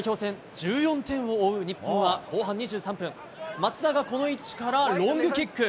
１４点を追う日本は後半２３分松田がこの位置からロングキック。